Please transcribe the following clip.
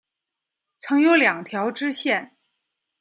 曾有两条支线。